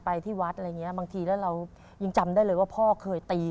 ที่วัดอะไรอย่างเงี้บางทีแล้วเรายังจำได้เลยว่าพ่อเคยตี